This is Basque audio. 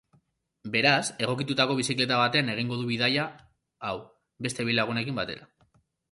Beraz, egokitutako bizikleta batean egingo du bidaia hau beste bi lagunekin batera.